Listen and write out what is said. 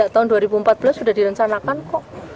tahun dua ribu empat belas sudah direncanakan kok